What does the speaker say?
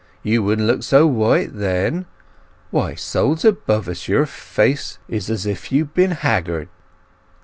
"You wouldn't look so white then. Why, souls above us, your face is as if you'd been hagrode!"